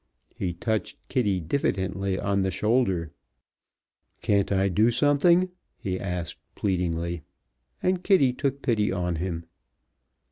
He touched Kitty diffidently on the shoulder. "Can't I do something?" he asked, pleadingly, and Kitty took pity on him.